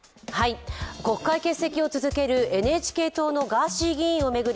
国会欠席を続けるＮＨＫ党のガーシー議員を巡り